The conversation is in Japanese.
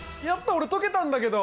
俺解けたんだけど。